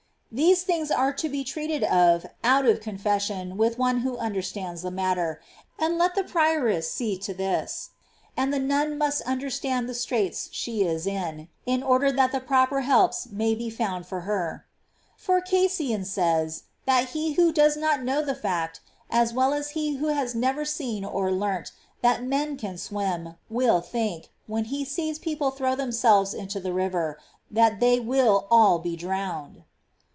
These things are to be treated of out of confession with one who understands the matter, — and let the prioress see to this ; and the nun must explain the straits she is in, in order that the proper helps may be found for her ; for Cassian says that he who does not know the fact, as well as he who has never seen or learnt, that men can swim, will think, when he sees people throw themselves into the river, that they will all be drowned.